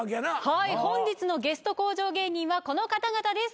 はい本日のゲスト向上芸人はこの方々です